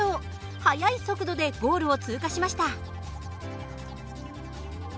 速い速度でゴールを通過しました。